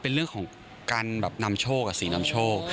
เป็นเรื่องของการแบบนำโชคกับสีนำโชค